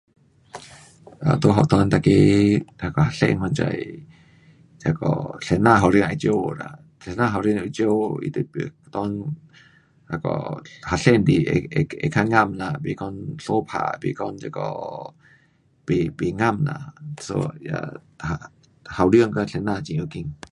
啊在学堂每个学生反正那个先生校长会照顾啦，先校长会照顾他就不内那个学生就会会会较合啦，不讲相打，不讲这个不，不合啦，so 呀，校长跟先生很要紧。